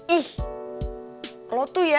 ih lo tuh ya